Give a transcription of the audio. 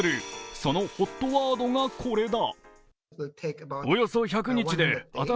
そのＨＯＴワードがこれだ。